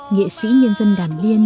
nghệ sĩ nhân dân đàm liên